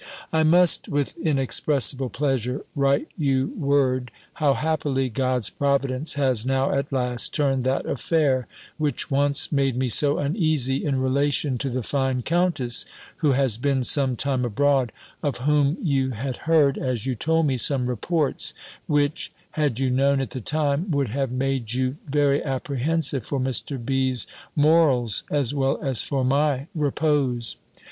I must, with inexpressible pleasure, write you word how happily God's providence has now, at last, turned that affair, which once made me so uneasy, in relation to the fine Countess (who has been some time abroad), of whom you had heard, as you told me, some reports, which, had you known at the time, would have made you very apprehensive for Mr. B.'s morals, as well as for my repose.